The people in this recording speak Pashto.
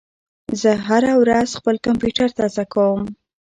زه هره ورځ خپل کمپیوټر تازه کوم.